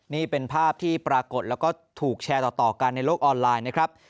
นี่เป็นภาพที่ปรากฏแล้วก็ถูกแชร์ต่อกันในโลกออนไลน์นะครับ